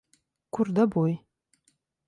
Kur dabūji?